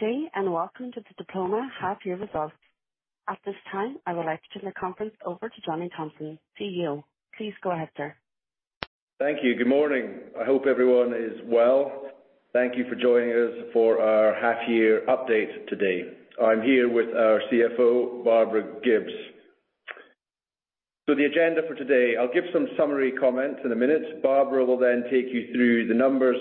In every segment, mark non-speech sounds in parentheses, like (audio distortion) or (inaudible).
Good day, welcome to the Diploma half year results. At this time, I would like to turn the conference over to Johnny Thomson, Chief Executive Officer. Please go ahead, sir. Thank you. Good morning. I hope everyone is well. Thank you for joining us for our half year update today. I'm here with our Chief Financial Officer, Barbara Gibbes. The agenda for today, I'll give some summary comments in a minute. Barbara will then take you through the numbers,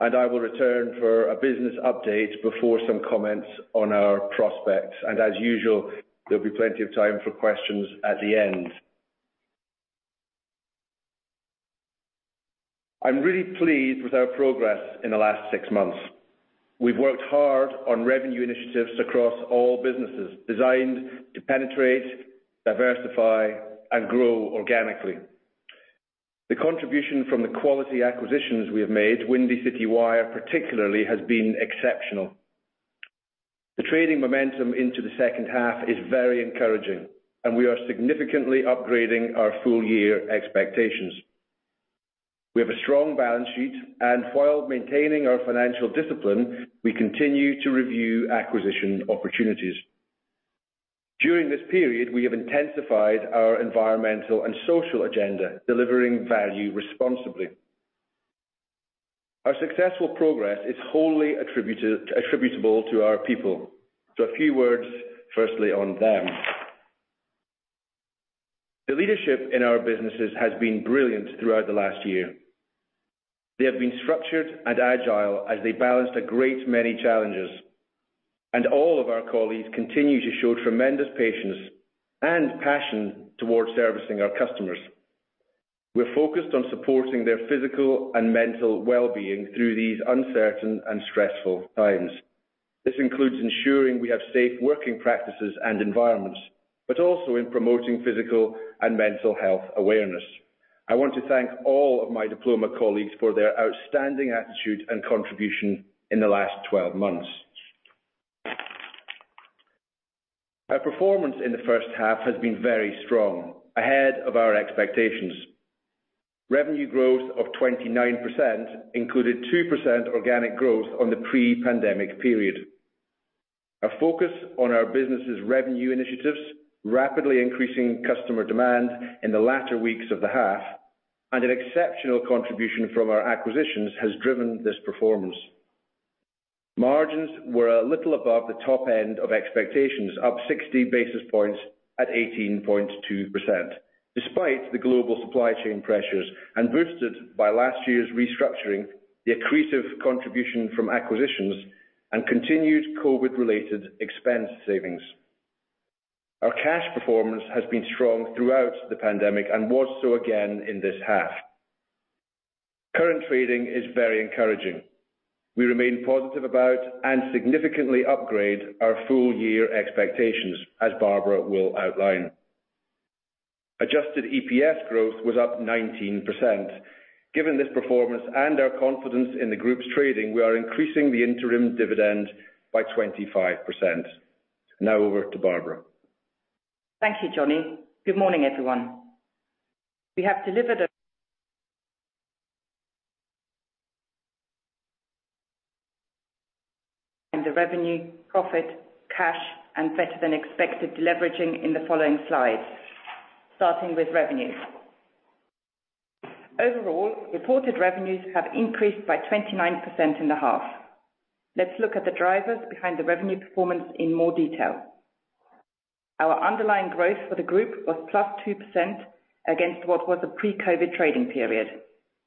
and I will return for a business update before some comments on our prospects. As usual, there'll be plenty of time for questions at the end. I'm really pleased with our progress in the last six months. We've worked hard on revenue initiatives across all businesses designed to penetrate, diversify, and grow organically. The contribution from the quality acquisitions we have made, Windy City Wire particularly, has been exceptional. The trading momentum into the second half is very encouraging, and we are significantly upgrading our full year expectations. We have a strong balance sheet, and while maintaining our financial discipline, we continue to review acquisition opportunities. During this period, we have intensified our environmental and social agenda, delivering value responsibly. Our successful progress is wholly attributable to our people. A few words firstly on them. The leadership in our businesses has been brilliant throughout the last year. They have been structured and agile as they balance a great many challenges, and all of our colleagues continue to show tremendous patience and passion towards servicing our customers. We're focused on supporting their physical and mental well-being through these uncertain and stressful times. This includes ensuring we have safe working practices and environments, but also in promoting physical and mental health awareness. I want to thank all of my Diploma colleagues for their outstanding attitude and contribution in the last 12 months. Our performance in the first half has been very strong, ahead of our expectations. Revenue growth of 29% included 2% organic growth on the pre-pandemic period. Our focus on our business' revenue initiatives, rapidly increasing customer demand in the latter weeks of the half, and an exceptional contribution from our acquisitions has driven this performance. Margins were a little above the top end of expectations, up 60 basis points at 18.2%, despite the global supply chain pressures, and boosted by last year's restructuring, the accretive contribution from acquisitions, and continued COVID related expense savings. Our cash performance has been strong throughout the pandemic and was so again in this half. Current trading is very encouraging. We remain positive about and significantly upgrade our full year expectations, as Barbara will outline. Adjusted EPS growth was up 19%. Given this performance and our confidence in the group's trading, we are increasing the interim dividend by 25%. Now over to Barbara Gibbes. Thank you, Johnny. Good morning, everyone. We have delivered (audio distortion) revenue, profit, cash, and better than expected leveraging in the following slides. Starting with revenues. Overall, reported revenues have increased by 29% in the half. Let's look at the drivers behind the revenue performance in more detail. Our underlying growth for the group was +2% against what was a pre-COVID trading period.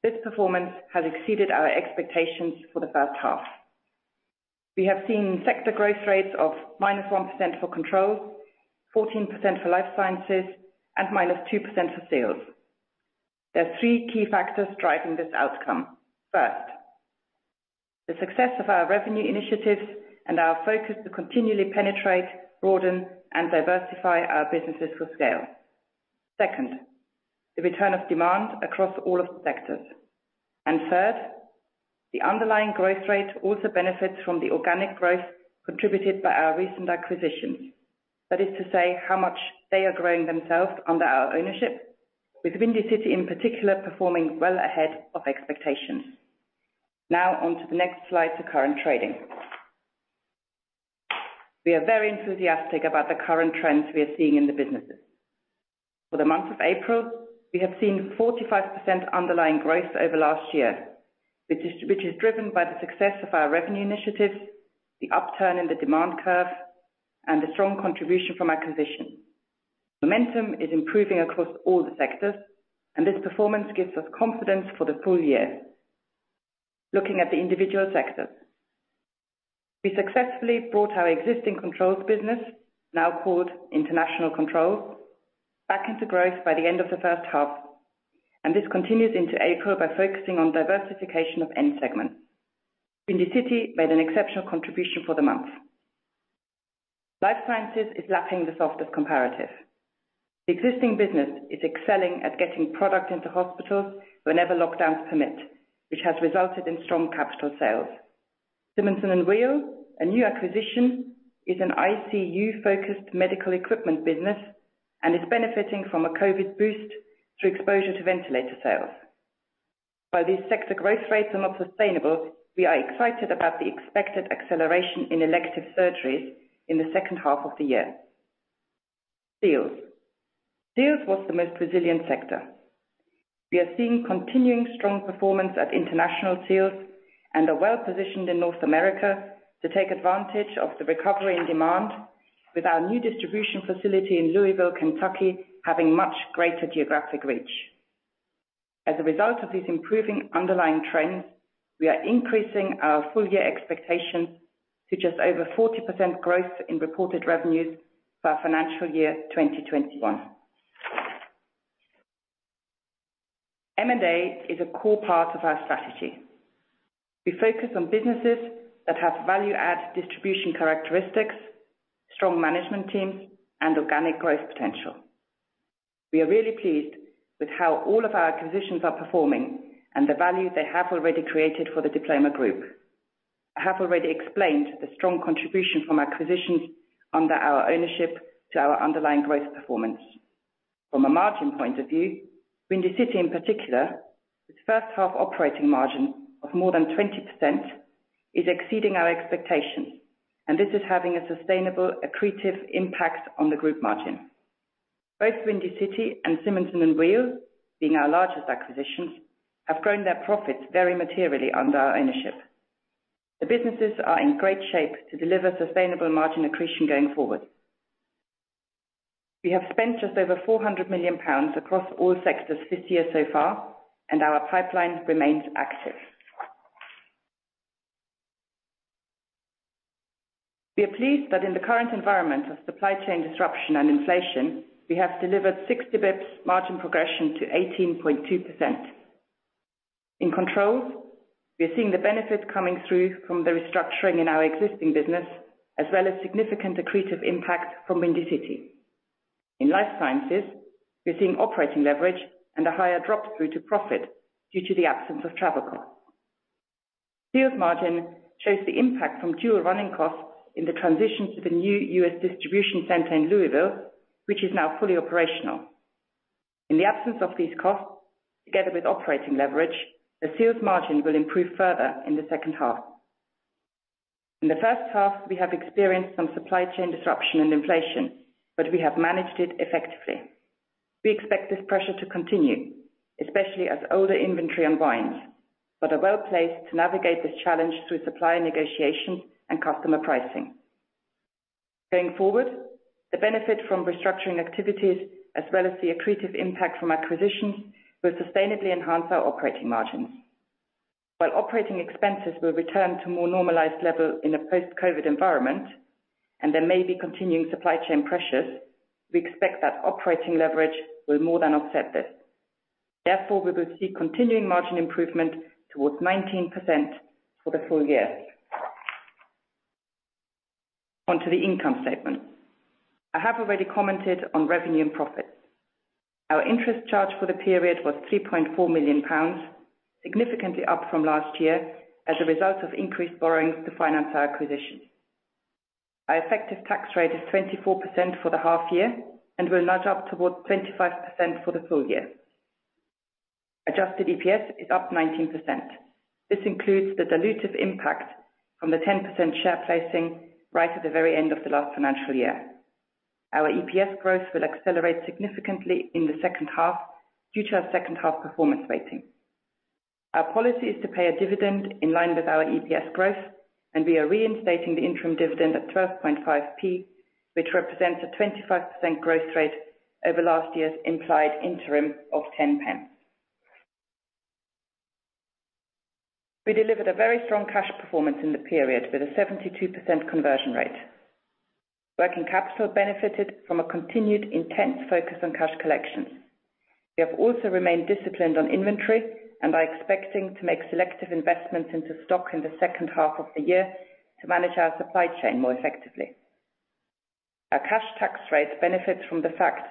This performance has exceeded our expectations for the first half. We have seen sector growth rates of -1% for Controls, 14% for Life Sciences, and -2% for Seals. There are three key factors driving this outcome. First, the success of our revenue initiatives and our focus to continually penetrate, broaden, and diversify our businesses for scale. Second, the return of demand across all of the sectors. Third, the underlying growth rate also benefits from the organic growth contributed by our recent acquisitions. That is to say how much they are growing themselves under our ownership, with Windy City in particular performing well ahead of expectations. Now on to the next slide to current trading. We are very enthusiastic about the current trends we are seeing in the businesses. For the month of April, we have seen 45% underlying growth over last year, which is driven by the success of our revenue initiatives, the upturn in the demand curve, and the strong contribution from acquisitions. Momentum is improving across all the sectors, and this performance gives us confidence for the full year. Looking at the individual sectors. We successfully brought our existing Controls business, now called International Controls, back into growth by the end of the first half, and this continued into April by focusing on diversification of end segments. Windy City made an exceptional contribution for the month. Life Sciences is lapping the softest comparatives. The existing business is excelling at getting product into hospitals whenever lockdowns permit, which has resulted in strong capital sales. Simonsen & Weel, a new acquisition, is an intensive care unit-focused medical equipment business and is benefiting from a COVID boost through exposure to ventilator sales. While these sector growth rates are not sustainable, we are excited about the expected acceleration in elective surgeries in the second half of the year. Seals. Seals was the most resilient sector. We are seeing continuing strong performance at International Seals, and are well positioned in North America to take advantage of the recovery and demand with our new distribution facility in Louisville, Kentucky, having much greater geographic reach. As a result of these improving underlying trends, we are increasing our full-year expectation to just over 40% growth in reported revenues for our financial year 2021. M&A is a core part of our strategy. We focus on businesses that have value-add distribution characteristics, strong management teams, and organic growth potential. We are really pleased with how all of our acquisitions are performing and the value they have already created for the Diploma group. I have already explained the strong contribution from acquisitions under our ownership to our underlying growth performance. From a margin point of view, Windy City in particular, its first half operating margin of more than 20% is exceeding our expectations, and this is having a sustainable accretive impact on the group margin. Both Windy City and Simonsen & Weel, being our largest acquisitions, have grown their profits very materially under our ownership. The businesses are in great shape to deliver sustainable margin accretion going forward. We have spent just over 400 million pounds across all sectors this year so far. Our pipeline remains active. We are pleased that in the current environment of supply chain disruption and inflation, we have delivered 60 basis points margin progression to 18.2%. In Controls, we are seeing the benefits coming through from the restructuring in our existing business, as well as significant accretive impact from Windy City. In Life Sciences, we're seeing operating leverage and a higher drop through to profit due to the absence of travel costs. Seals margin shows the impact from dual running costs in the transition to the new U.S. distribution center in Louisville, which is now fully operational. In the absence of these costs, together with operating leverage, the Seals margin will improve further in the second half. In the first half, we have experienced some supply chain disruption and inflation, but we have managed it effectively. We expect this pressure to continue, especially as older inventory unwinds, but are well-placed to navigate this challenge through supplier negotiation and customer pricing. Going forward, the benefit from restructuring activities as well as the accretive impact from acquisitions will sustainably enhance our operating margins. While operating expenses will return to more normalized levels in a post-COVID environment, and there may be continuing supply chain pressures, we expect that operating leverage will more than offset this. Therefore, we will see continuing margin improvement towards 19% for the full year. On to the income statement. I have already commented on revenue and profits. Our interest charge for the period was 3.4 million pounds, significantly up from last year as a result of increased borrowings to finance our acquisitions. Our effective tax rate is 24% for the half year and will nudge up towards 25% for the full year. Adjusted EPS is up 19%. This includes the dilutive impact from the 10% share placing right at the very end of the last financial year. Our EPS growth will accelerate significantly in the second half due to our second half performance weighting. Our policy is to pay a dividend in line with our EPS growth, and we are reinstating the interim dividend at 0.125, which represents a 25% growth rate over last year's implied interim of 0.10. We delivered a very strong cash performance in the period with a 72% conversion rate. Working capital benefited from a continued intense focus on cash collections. We have also remained disciplined on inventory and are expecting to make selective investments into stock in the second half of the year to manage our supply chain more effectively. Our cash tax rate benefits from the fact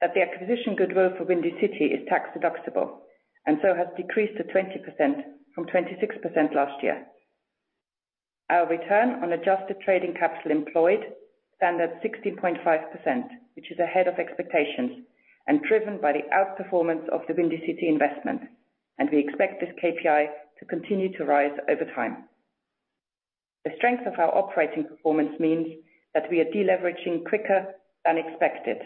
that the acquisition goodwill for Windy City is tax deductible and so has decreased to 20% from 26% last year. Our return on adjusted trading capital employed stands at 60.5%, which is ahead of expectations and driven by the outperformance of the Windy City investment, and we expect this key performance indicator to continue to rise over time. The strength of our operating performance means that we are deleveraging quicker than expected,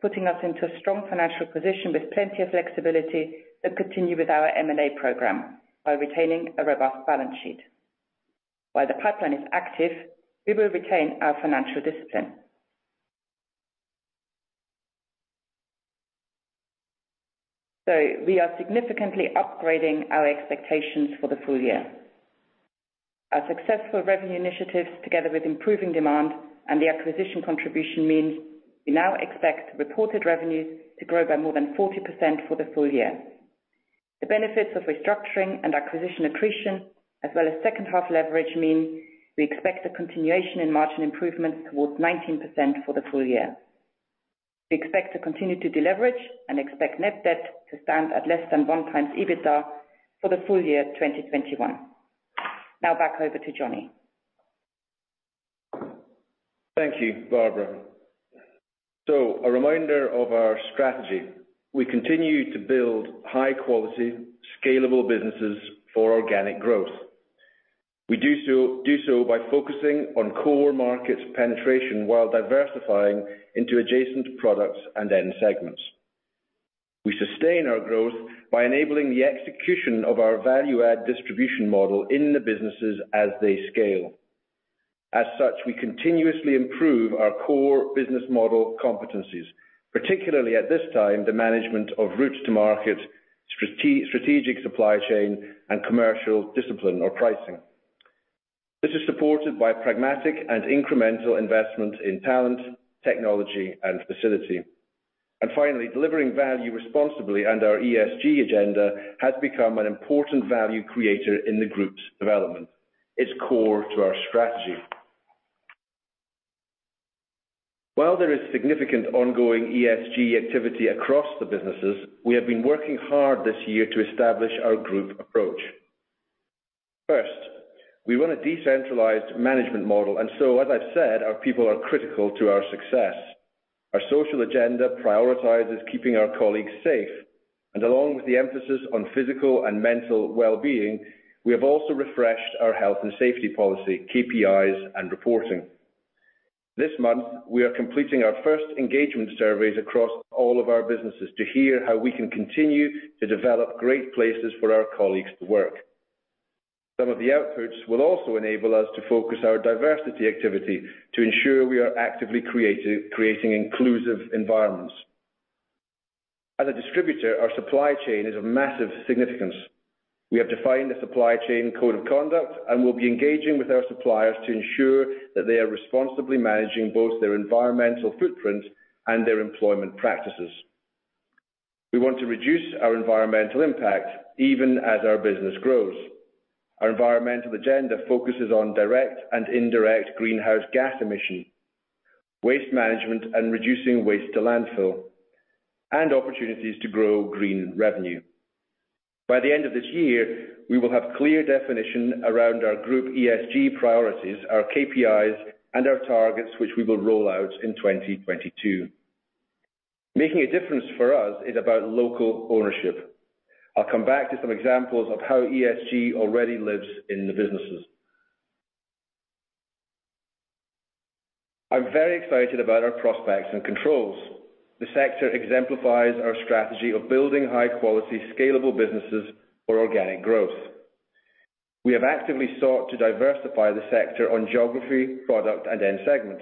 putting us into a strong financial position with plenty of flexibility to continue with our M&A program while retaining a robust balance sheet. While the pipeline is active, we will retain our financial discipline. We are significantly upgrading our expectations for the full year. Our successful revenue initiatives together with improving demand and the acquisition contribution mean we now expect reported revenues to grow by more than 40% for the full year. The benefits of restructuring and acquisition accretion, as well as second half leverage mean we expect a continuation in margin improvements towards 19% for the full year. We expect to continue to deleverage and expect net debt to stand at less than 1x EBITDA for the full year 2021. Back over to Johnny. Thank you, Barbara. A reminder of our strategy. We continue to build high quality, scalable businesses for organic growth. We do so by focusing on core markets penetration while diversifying into adjacent products and end segments. We sustain our growth by enabling the execution of our value add distribution model in the businesses as they scale. As such, we continuously improve our core business model competencies, particularly at this time, the management of routes to market, strategic supply chain, and commercial discipline or pricing. This is supported by pragmatic and incremental investment in talent, technology, and facility. Finally, delivering value responsibly and our environmental, social, and governance agenda has become an important value creator in the group's development. It's core to our strategy. While there is significant ongoing ESG activity across the businesses, we have been working hard this year to establish our group approach. First, we run a decentralized management model, as I said, our people are critical to our success. Our social agenda prioritizes keeping our colleagues safe, along with the emphasis on physical and mental well-being, we have also refreshed our health and safety policy, KPIs, and reporting. This month, we are completing our first engagement surveys across all of our businesses to hear how we can continue to develop great places for our colleagues to work. Some of the outputs will also enable us to focus our diversity activity to ensure we are actively creating inclusive environments. As a distributor, our supply chain is of massive significance. We have defined the supply chain code of conduct will be engaging with our suppliers to ensure that they are responsibly managing both their environmental footprint and their employment practices. We want to reduce our environmental impact even as our business grows. Our environmental agenda focuses on direct and indirect greenhouse gas emission, waste management, and reducing waste to landfill, and opportunities to grow green revenue. By the end of this year, we will have clear definition around our group ESG priorities, our KPIs, and our targets, which we will roll out in 2022. Making a difference for us is about local ownership. I'll come back to some examples of how ESG already lives in the businesses. I'm very excited about our prospects and Controls. The sector exemplifies our strategy of building high-quality, scalable businesses for organic growth. We have actively sought to diversify the sector on geography, product, and end segment.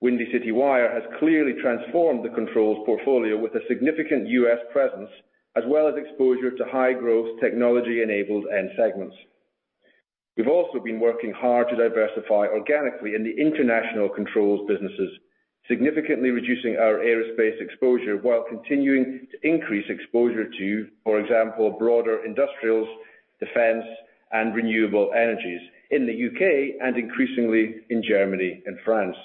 Windy City Wire has clearly transformed the Controls portfolio with a significant U.S. presence as well as exposure to high growth technology-enabled end segments. We've also been working hard to diversify organically in the International Controls businesses, significantly reducing our aerospace exposure while continuing to increase exposure to, for example, broader industrials, defense, and renewable energies in the U.K. and increasingly in Germany and France.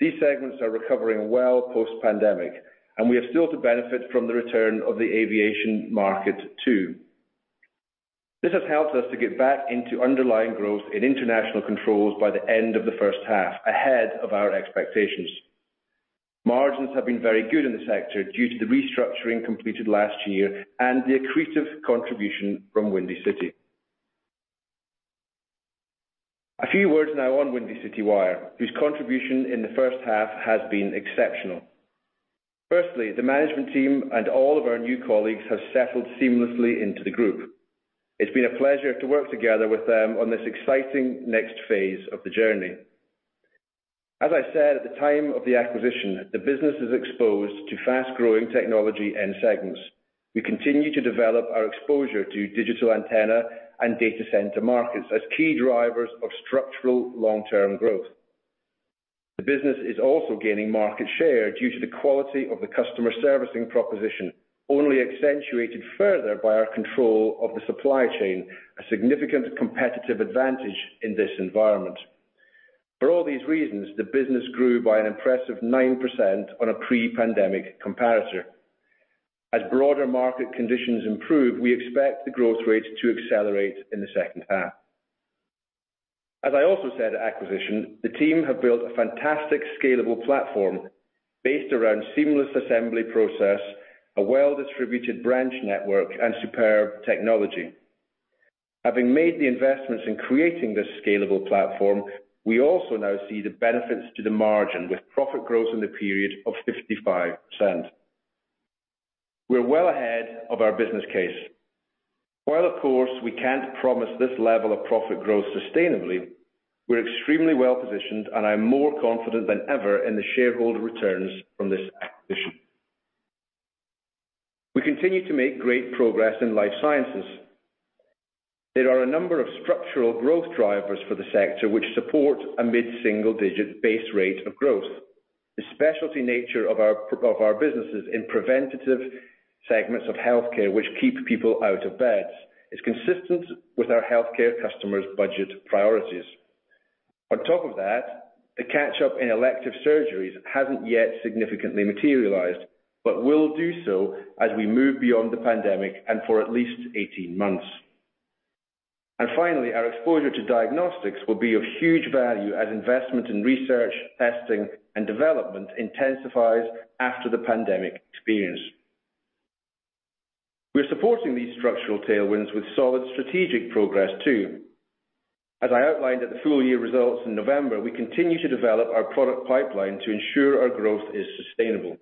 These segments are recovering well post-pandemic, and we are still to benefit from the return of the aviation market too. This has helped us to get back into underlying growth in International Controls by the end of the first half, ahead of our expectations. Margins have been very good in the sector due to the restructuring completed last year and the accretive contribution from Windy City. A few words now on Windy City Wire, whose contribution in the first half has been exceptional. Firstly, the management team and all of our new colleagues have settled seamlessly into the group. It's been a pleasure to work together with them on this exciting next phase of the journey. As I said at the time of the acquisition, the business is exposed to fast-growing technology end segments. We continue to develop our exposure to digital antenna and data center markets as key drivers of structural long-term growth. The business is also gaining market share due to the quality of the customer servicing proposition, only accentuated further by our control of the supply chain, a significant competitive advantage in this environment. For all these reasons, the business grew by an impressive 9% on a pre-pandemic comparator. As broader market conditions improve, we expect the growth rate to accelerate in the second half. As I also said at acquisition, the team have built a fantastic scalable platform based around seamless assembly process, a well-distributed branch network, and superb technology. Having made the investments in creating this scalable platform, we also now see the benefits to the margin with profit growth in the period of 55%. We're well ahead of our business case. While of course, we can't promise this level of profit growth sustainably, we're extremely well-positioned and I'm more confident than ever in the shareholder returns from this acquisition. We continue to make great progress in Life Sciences. There are a number of structural growth drivers for the sector which support a mid-single digit base rate of growth. The specialty nature of our businesses in preventative segments of healthcare which keep people out of beds is consistent with our healthcare customers' budget priorities. On top of that, the catch-up in elective surgeries hasn't yet significantly materialized, but will do so as we move beyond the pandemic and for at least 18 months. Finally, our exposure to diagnostics will be of huge value as investment in research, testing, and development intensifies after the pandemic experience. We're supporting these structural tailwinds with solid strategic progress too. As I outlined at the full-year results in November, we continue to develop our product pipeline to ensure our growth is sustainable.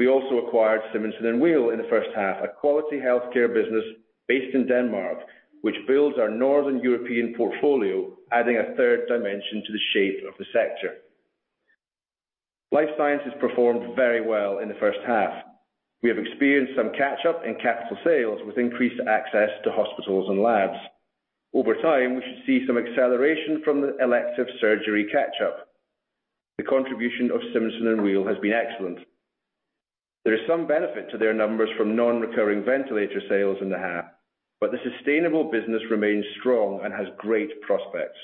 We also acquired Simonsen & Weel in the first half, a quality healthcare business based in Denmark, which builds our Northern European portfolio, adding a third dimension to the shape of the sector. Life Sciences performed very well in the first half. We have experienced some catch-up in capital sales with increased access to hospitals and labs. Over time, we should see some acceleration from the elective surgery catch-up. The contribution of Simonsen & Weel has been excellent. There is some benefit to their numbers from non-recurring ventilator sales in the half, but the sustainable business remains strong and has great prospects.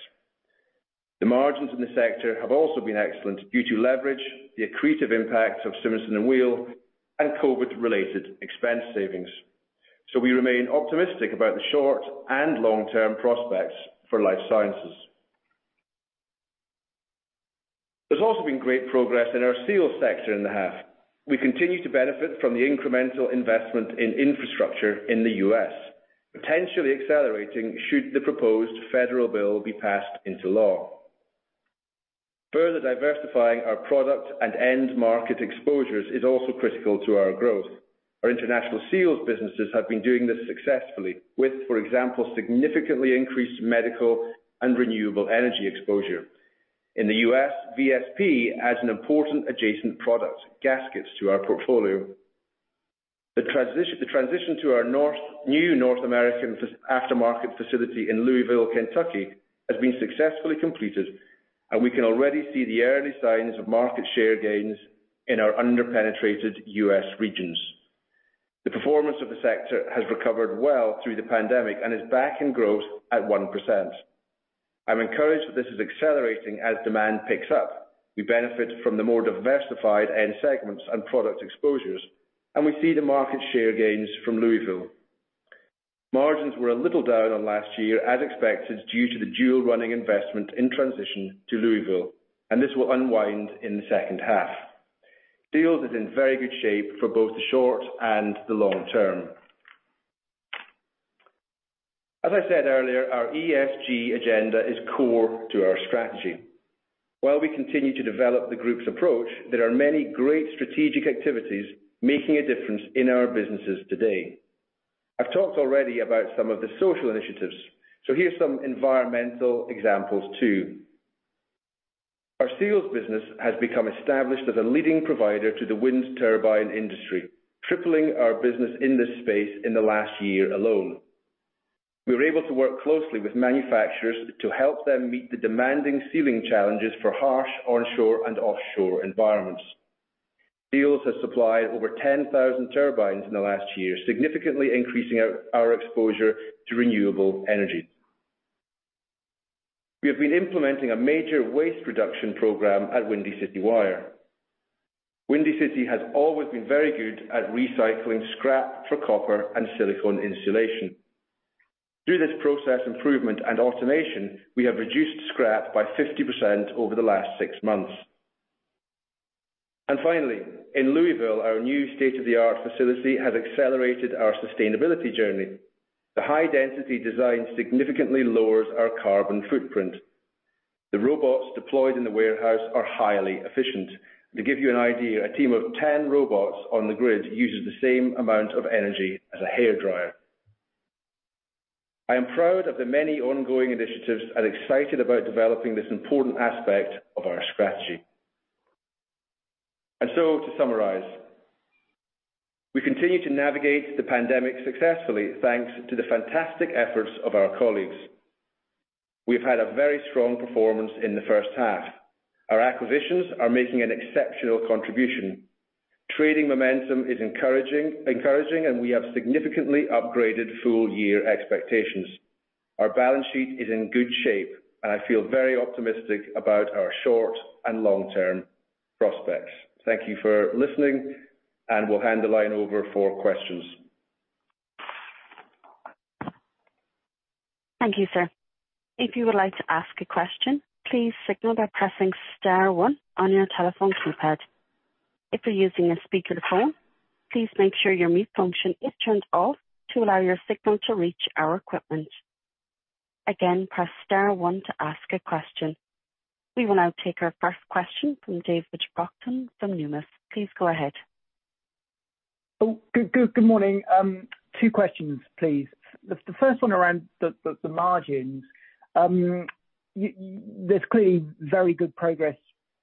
The margins in the sector have also been excellent due to leverage, the accretive impact of Simonsen & Weel, and COVID-related expense savings. We remain optimistic about the short and long-term prospects for Life Sciences. There's also been great progress in our Seals sector in the half. We continue to benefit from the incremental investment in infrastructure in the U.S., potentially accelerating should the proposed federal bill be passed into law. Further diversifying our product and end market exposures is also critical to our growth. Our International Seals businesses have been doing this successfully with, for example, significantly increased medical and renewable energy exposure. In the U.S., Virginia Sealing Products adds an important adjacent product, gaskets, to our portfolio. The transition to our new North American aftermarket facility in Louisville, Kentucky, has been successfully completed, and we can already see the early signs of market share gains in our under-penetrated U.S. regions. The performance of the sector has recovered well through the pandemic and is back in growth at 1%. I'm encouraged that this is accelerating as demand picks up. We benefit from the more diversified end segments and product exposures, and we see the market share gains from Louisville. Margins were a little down on last year, as expected, due to the dual running investment in transition to Louisville, and this will unwind in the second half. Seals is in very good shape for both the short and the long term. As I said earlier, our ESG agenda is core to our strategy. While we continue to develop the group's approach, there are many great strategic activities making a difference in our businesses today. I've talked already about some of the social initiatives, so here's some environmental examples too. Our Seals business has become established as a leading provider to the wind turbine industry, tripling our business in this space in the last year alone. We were able to work closely with manufacturers to help them meet the demanding sealing challenges for harsh onshore and offshore environments. Seals has supplied over 10,000 turbines in the last year, significantly increasing our exposure to renewable energy. We have been implementing a major waste reduction program at Windy City Wire. Windy City has always been very good at recycling scrap for copper and silicone insulation. Through this process improvement and automation, we have reduced scrap by 50% over the last six months. Finally, in Louisville, our new state-of-the-art facility has accelerated our sustainability journey. The high-density design significantly lowers our carbon footprint. The robots deployed in the warehouse are highly efficient. To give you an idea, a team of 10 robots on the grid uses the same amount of energy as a hair dryer. I am proud of the many ongoing initiatives and excited about developing this important aspect of our strategy. To summarize, we continue to navigate the pandemic successfully, thanks to the fantastic efforts of our colleagues. We've had a very strong performance in the first half. Our acquisitions are making an exceptional contribution. Trading momentum is encouraging, and we have significantly upgraded full-year expectations. Our balance sheet is in good shape, and I feel very optimistic about our short and long-term prospects. Thank you for listening, we'll hand the line over for questions. Thank you, sir. If you would like to ask a question, please signal by pressing star one on your telephone keypad. If you're using a speakerphone, please make sure your mute function is turned off to allow your signal to reach our equipment. Again, press star one to ask a question. We will now take our first question from David Brockton from Numis Securities. Please go ahead. Oh, good morning. Two questions, please. The first one around the margins. There's clearly very good progress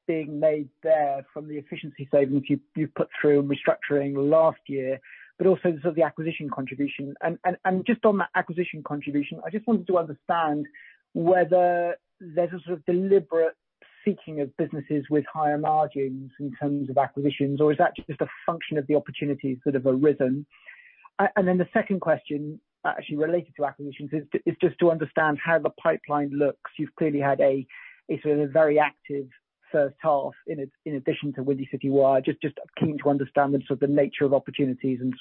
being made there from the efficiency savings you put through and restructuring last year, but also the acquisition contribution. I just wanted to understand whether there's a deliberate seeking of businesses with higher margins in terms of acquisitions, or is that just a function of the opportunities that have arisen? The second question, actually related to acquisitions, is just to understand how the pipeline looks. You've clearly had a very active first half in addition to Windy City Wire. Just keen to understand the nature of opportunities and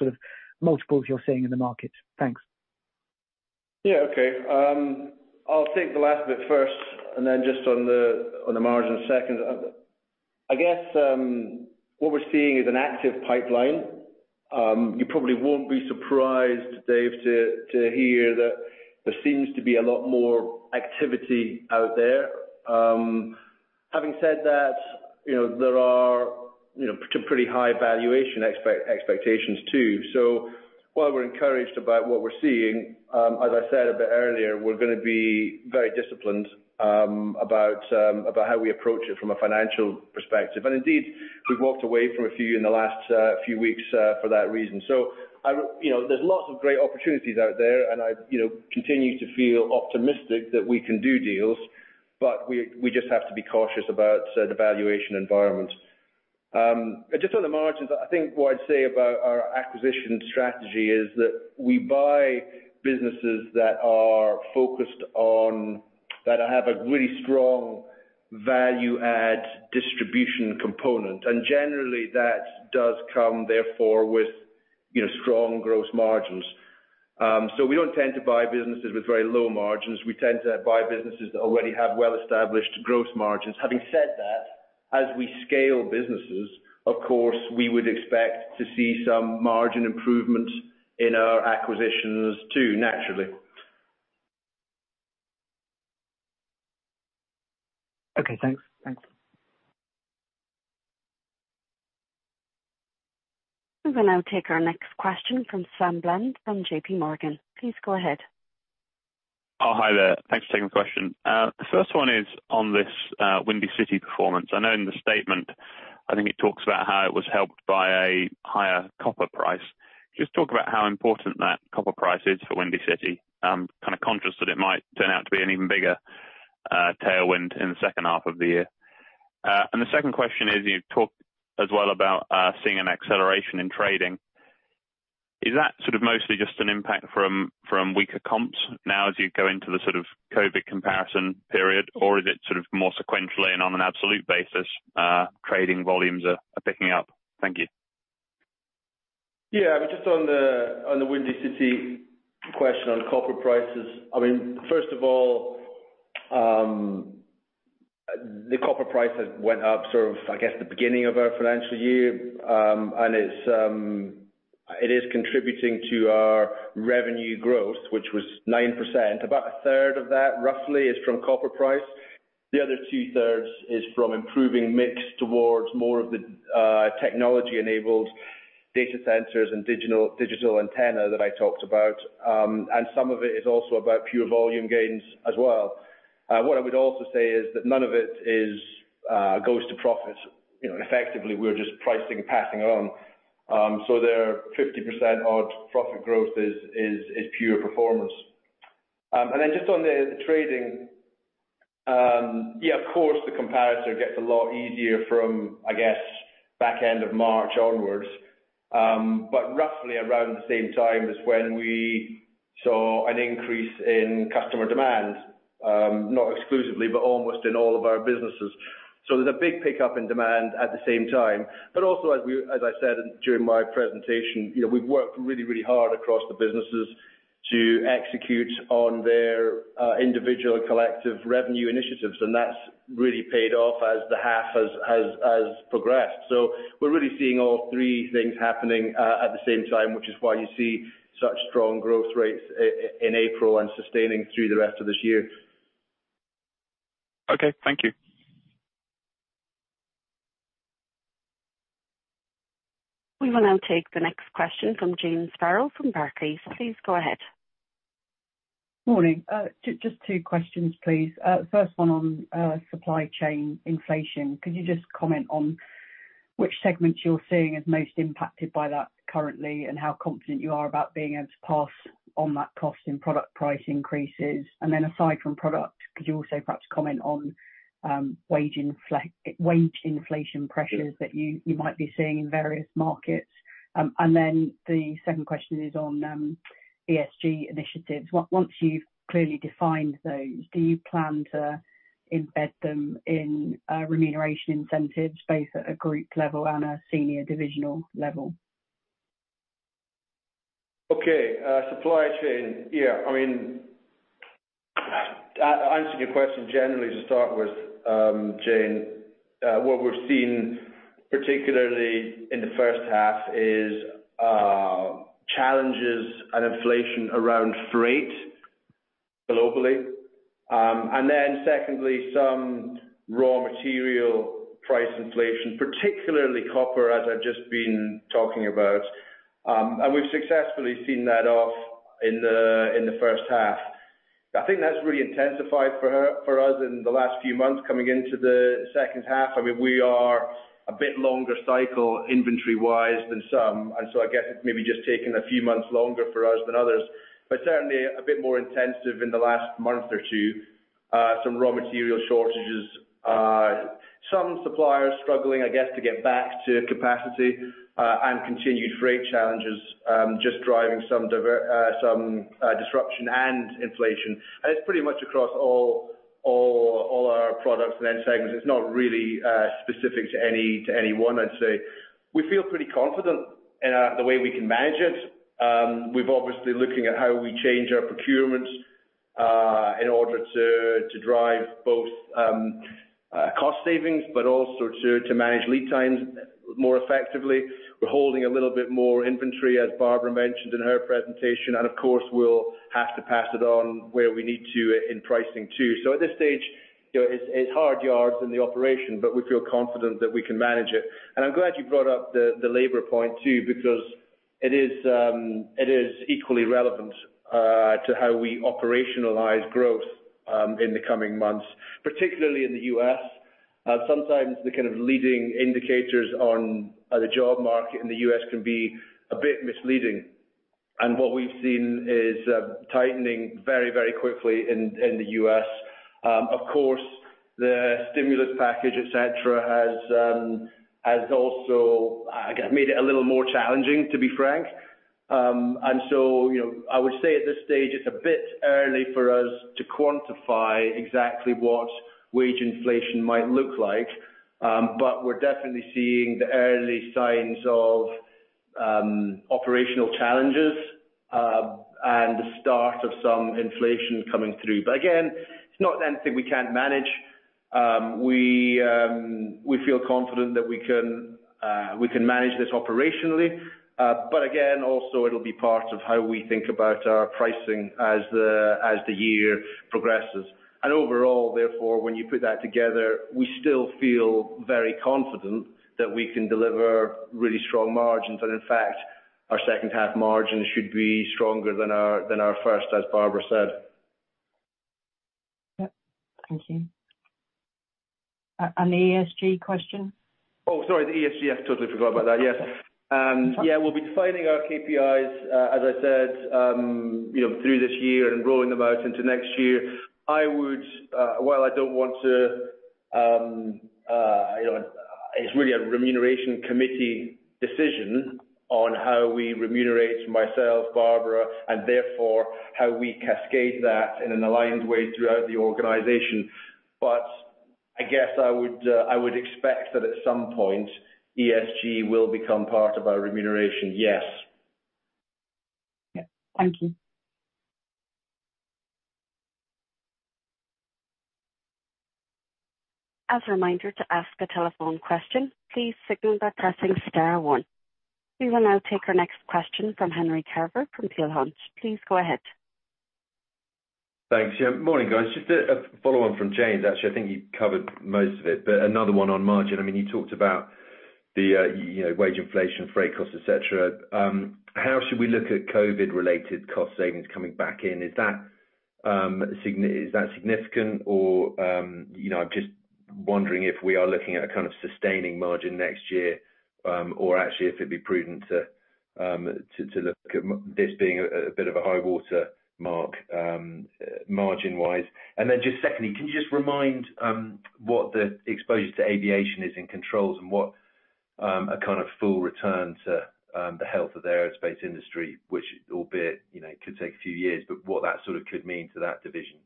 multiples you're seeing in the market. Thanks. Yeah, okay. I'll take the last bit first, then just on the margins second. I guess what we're seeing is an active pipeline. You probably won't be surprised, David, to hear that there seems to be a lot more activity out there. Having said that, there are some pretty high valuation expectations, too. While we're encouraged about what we're seeing, as I said a bit earlier, we're going to be very disciplined about how we approach it from a financial perspective. Indeed, we've walked away from a few in the last few weeks for that reason. There's lots of great opportunities out there, and I continue to feel optimistic that we can do deals, but we just have to be cautious about said valuation environments. Just on the margins, I think what I'd say about our acquisition strategy is that we buy businesses that are focused on, that have a really strong value-add distribution component. Generally that does come therefore with strong gross margins. We don't tend to buy businesses with very low margins. We tend to buy businesses that already have well-established gross margins. Having said that, as we scale businesses, of course, we would expect to see some margin improvement in our acquisitions too, naturally. Okay, thanks. We'll now take our next question from Sam Bland from JPMorgan. Please go ahead. Hi there. Thanks for taking the question. The first one is on this Windy City performance. I know in the statement, I think it talks about how it was helped by a higher copper price. Just talk about how important that copper price is for Windy City. I'm conscious that it might turn out to be an even bigger tailwind in the second half of the year. The second question is, you talked as well about seeing an acceleration in trading. Is that mostly just an impact from weaker comps now as you go into the COVID comparison period? Is it more sequentially and on an absolute basis trading volumes are picking up? Thank you. Just on the Windy City Wire question on copper prices. First of all, the copper prices went up I guess the beginning of our financial year, and it is contributing to our revenue growth, which was 9%. About 1/3 of that roughly is from copper price. The other 2/3 is from improving mix towards more of the technology-enabled data centers and digital antenna that I talked about. Some of it is also about pure volume gains as well. What I would also say is that none of it goes to profit. Effectively, we're just pricing passing on. Their 50%-odd profit growth is pure performance. Just on the trading, of course, the competitor gets a lot easier from, I guess, back end of March onwards. Roughly around the same time is when we saw an increase in customer demand. Not exclusively, but almost in all of our businesses. There's a big pickup in demand at the same time. Also, as I said during my presentation, we've worked really hard across the businesses to execute on their individual and collective revenue initiatives, and that's really paid off as the half has progressed. We're really seeing all three things happening at the same time, which is why you see such strong growth rates in April and sustaining through the rest of this year. Okay. Thank you. We will now take the next question from Jane Sparrow from Barclays. Please go ahead. Morning. Just two questions, please. First one on supply chain inflation. Could you just comment on which segments you're seeing as most impacted by that currently and how confident you are about being able to pass on that cost in product price increases? Aside from product, could you also perhaps comment on wage inflation pressures that you might be seeing in various markets? The second question is on ESG initiatives. Once you've clearly defined those, do you plan to embed them in remuneration incentives, both at a group level and a senior divisional level? Okay. Supply chain. Yeah. To answer your question generally to start with, Jane, what we're seeing, particularly in the first half, is challenges and inflation around freight globally. Secondly, some raw material price inflation, particularly copper, as I've just been talking about. We've successfully seen that off in the first half. I think that's really intensified for us in the last few months coming into the second half. We are a bit longer cycle inventory-wise than some, so I guess it's maybe just taken a few months longer for us than others, but certainly a bit more intensive in the last month or two. Some raw material shortages. Some suppliers struggling, I guess, to get back to capacity and continued freight challenges just driving some disruption and inflation. It's pretty much across all our products and end segments. It's not really specific to any one, I'd say. We feel pretty confident in the way we can manage it. We're obviously looking at how we change our procurement in order to drive both cost savings, but also to manage lead times more effectively. We're holding a little bit more inventory, as Barbara mentioned in her presentation. Of course, we'll have to pass it on where we need to in pricing too. At this stage, it's hard yards in the operation, but we feel confident that we can manage it. I'm glad you brought up the labor point too, because it is equally relevant to how we operationalize growth in the coming months, particularly in the U.S. Sometimes the kind of leading indicators on the job market in the U.S. can be a bit misleading. What we've seen is tightening very quickly in the U.S. Of course, the stimulus package, et cetera, has also, I guess, made it a little more challenging, to be frank. I would say at this stage it's a bit early for us to quantify exactly what wage inflation might look like. We're definitely seeing the early signs of operational challenges and the start of some inflation coming through. Again, it's not anything we can't manage. We feel confident that we can manage this operationally. Again, also it'll be part of how we think about our pricing as the year progresses. Overall, therefore, when you put that together, we still feel very confident that we can deliver really strong margins. In fact, our second half margins should be stronger than our first, as Barbara said. Yep, thank you. An ESG question. Oh, sorry. The ESG, I totally forgot about that. Yes. We'll be defining our KPIs, as I said through this year and rolling them out into next year. It's really a remuneration committee decision on how we remunerate myself, Barbara, and therefore how we cascade that in an aligned way throughout the organization. I guess I would expect that at some point ESG will become part of our remuneration, yes. Yep, thank you. As a reminder to ask a telephone question, please signal by pressing star one. We will now take our next question from Harry Philips from Peel Hunt. Please go ahead. Thanks. Morning, guys. Just a follow-up from Jane's, actually. I think you covered most of it, but another one on margin. You talked about the wage inflation, freight costs, et cetera. How should we look at COVID-related cost savings coming back in? Is that significant or I'm just wondering if we are looking at kind of sustaining margin next year or actually if it'd be prudent to look at this being a bit of a high water mark margin-wise? Then just secondly, can you just remind what the exposure to aviation is in Controls and what a kind of full return to the health of the aerospace industry, which albeit could take two years, but what that sort of could mean to that division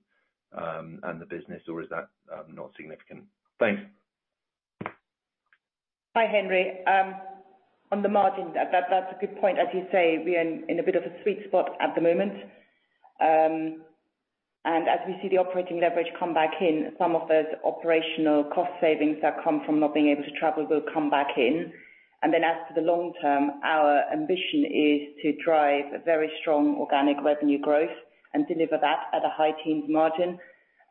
and the business, or is that not significant? Thanks. Hi, Harry. On the margin, that's a good point. As you say, we are in a bit of a sweet spot at the moment. As we see the operating leverage come back in, some of those operational cost savings that come from not being able to travel will come back in. As for the long term, our ambition is to drive very strong organic revenue growth and deliver that at a high teens margin.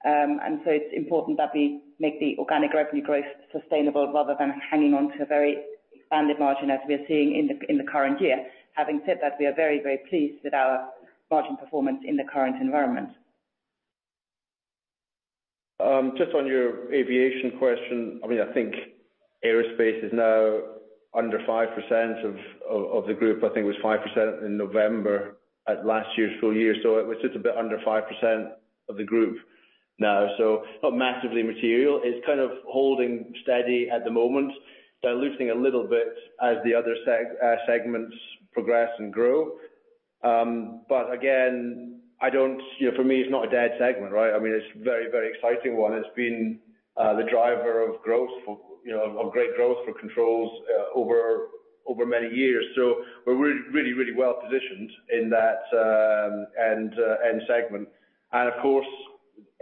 It's important that we make the organic revenue growth sustainable rather than hanging on to a very expanded margin as we are seeing in the current year. Having said that, we are very pleased with our margin performance in the current environment. Just on your aviation question, I think aerospace is now under 5% of the group. I think it was 5% in November at last year's full year. It was just a bit under 5% of the group now. Not massively material. It's kind of holding steady at the moment. Diluting a little bit as the other segments progress and grow. Again, for me it's not a dead segment, right? It's a very exciting one. It's been the driver of great growth for Controls over many years. We're really well-positioned in that end segment. Of course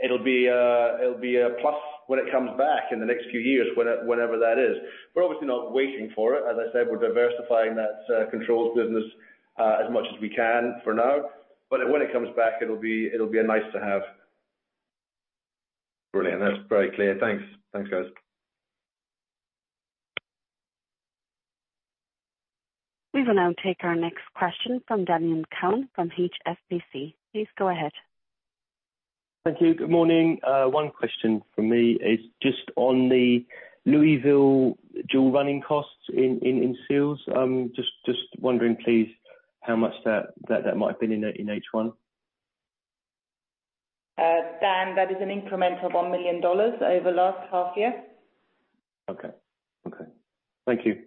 it'll be a plus when it comes back in the next few years, whenever that is. We're obviously not waiting for it. As I said, we're diversifying that Controls business as much as we can for now. When it comes back it'll be nice to have. Brilliant. That's very clear. Thanks. Thanks, guys. We will now take our next question from Daniel Cowan from HSBC. Please go ahead. Thank you. Good morning. One question from me is just on the Louisville dual running costs in Seals. Just wondering please, how much that might have been in H1? Daniel, that is an incremental GBP 1 million over the last half year. Okay. Thank you.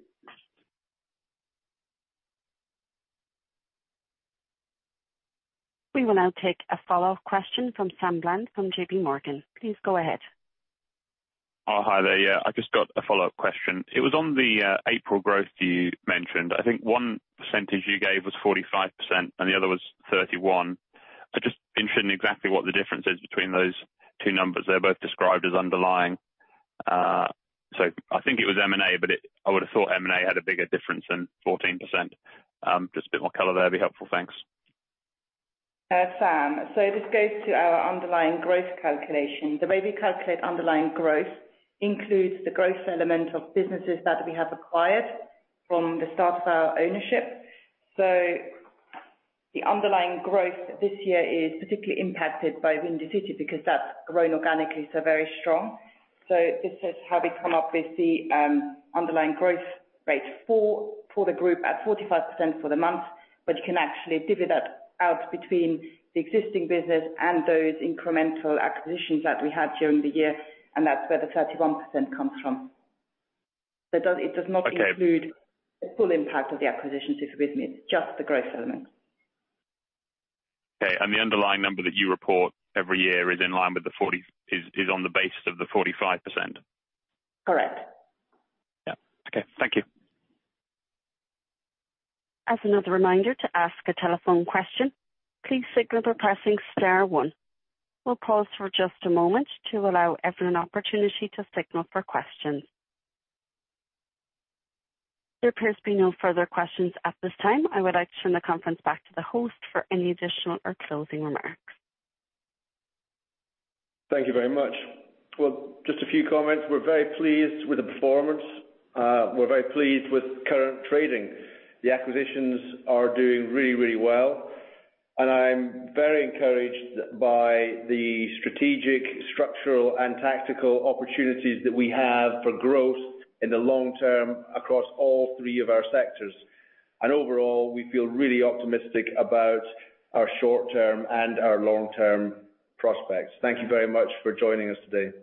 We will now take a follow-up question from Sam Bland from JPMorgan. Please go ahead. Oh, hi there. Yeah, I just got a follow-up question. It was on the April growth you mentioned. I think one percentage you gave was 45% and the other was 31%. I'm just interested in exactly what the difference is between those two numbers. They're both described as underlying. I think it was M&A, but I would have thought M&A had a bigger difference than 14%. Just a bit more color there would be helpful. Thanks. Sam, this goes to our underlying growth calculation. The way we calculate underlying growth includes the growth element of businesses that we have acquired from the start of our ownership. The underlying growth this year is particularly impacted by Windy City Wire because that's grown organically, very strong. This is how we come up with the underlying growth rate for the group at 45% for the month, but it can actually divvy that out between the existing business and those incremental acquisitions that we had during the year, and that's where the 31% comes from. Okay. It does not include the full impact of the acquisitions this business, just the growth element. Okay, the underlying number that you report every year is on the basis of the 45%? Correct. Yeah. Okay. Thank you. As another reminder to ask a telephone question, please signal by pressing star one. We'll pause for just a moment to allow everyone an opportunity to signal for questions. There appears to be no further questions at this time. I would like to turn the conference back to the host for any additional or closing remarks. Thank you very much. Well, just a few comments. We're very pleased with the performance. We're very pleased with current trading. The acquisitions are doing really well, and I'm very encouraged by the strategic, structural, and tactical opportunities that we have for growth in the long term across all three of our sectors. Overall, we feel really optimistic about our short-term and our long-term prospects. Thank you very much for joining us today.